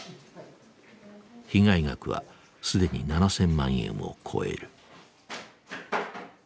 被害額は既に７，０００万円を超える。